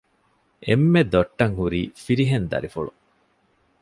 އެންމެ ދޮއްޓަށް ހުރީ ފިރިހެން ދަރިފުޅު